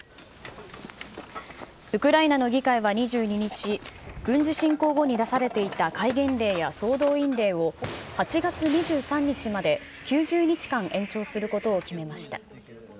ウクライナの議会は２２日、軍事侵攻後に出されていた戒厳令や総動員令を８月２３日まで９０日間延長することを決めました。